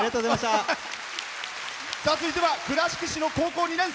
続いては、倉敷市の高校２年生。